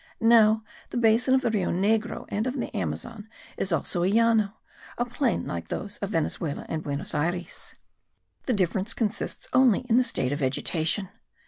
Now the basin of the Rio Negro and of the Amazon is also a Llano, a plain like those of Venezuela and Buenos Ayres. The difference consists only in the state of vegetation.